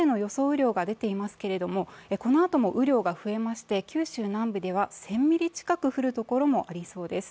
雨量が出ていますけれども、このあとも雨量が増えまして、九州南部では１０００ミリ近く降るところもありそうです。